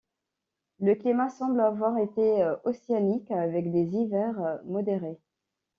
Le climat semble avoir été océanique avec des hivers modérés.